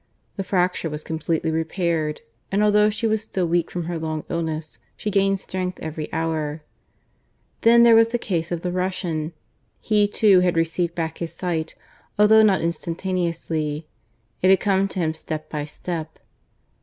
The fracture was completely repaired; and although she was still weak from her long illness, she gained strength every hour. Then there was the case of the Russian. He too had received back his sight, although not instantaneously; it had come to him step by step.